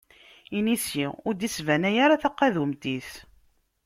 Inisi ur d-isbanay ara taqadumt-is.